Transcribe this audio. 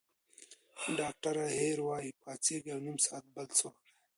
ډاکټره هیر وايي، پاڅېږئ او نیم ساعت بل څه وکړئ.